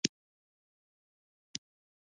د ځنګلونو د پرې کولو مخنیوی چاپیریال ساتي.